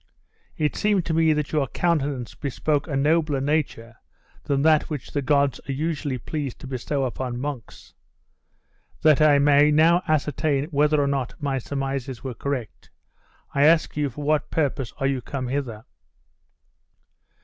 It seemed to me that your countenance bespoke a nobler nature than that which the gods are usually pleased to bestow upon monks. That I may now ascertain whether or not my surmises were correct, I ask you for what purpose are you come hither?